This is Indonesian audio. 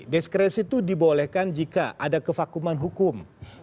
diskresi itu dibolehkan jika ada kevakuman hukum